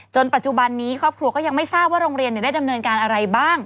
ปัจจุบันนี้ครอบครัวก็ยังไม่ทราบว่าโรงเรียนได้ดำเนินการอะไรบ้าง